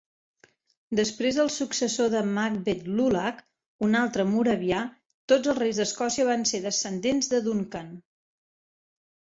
Després del successor de Macbeth Lulach, un altre moravià, Tots els reis d'Escòcia van ser descendents de Duncan.